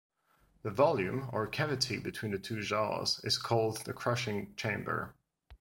The volume or cavity between the two jaws is called the crushing chamber.